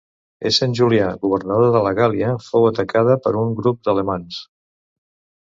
Essent Julià governador de la Gàl·lia fou atacada per un grup d'alamans.